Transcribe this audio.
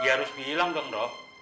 dia harus bilang dong dok